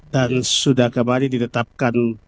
dan sudah kemarin ditetapkan